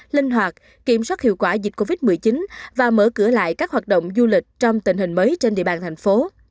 linh hoạt kiểm soát hiệu quả dịch covid một mươi chín và mở cửa lại các hoạt động du lịch trong tình hình mới trên địa bàn thành phố